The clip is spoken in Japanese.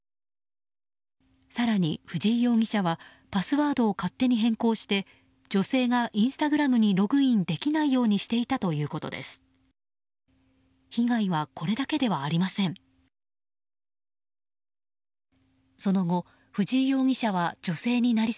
更に、藤井容疑者はパスワードを勝手に変更して女性がインスタグラムにログインできないようにしていたということです。